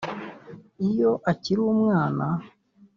Iyo akiri umwana